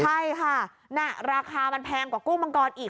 ใช่ค่ะราคามันแพงกว่ากุ้งมังกรอีก